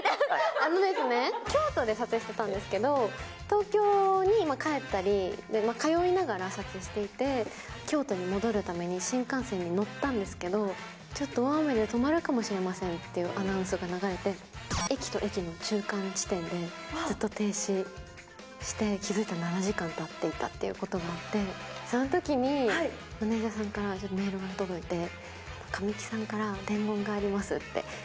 あのですね、京都で撮影してたんですけど、東京に帰ったり、通いながら撮影していて、京都に戻るために新幹線に乗ったんですけど、ちょっと大雨で止まるかもしれませんっていうアナウンスが流れて、駅と駅の中間地点でずっと停止して、気付いたら７時間たっていたっていうことがあって、そのときにマネージャーさんがメールが届いて、神木さんから伝言がありますって。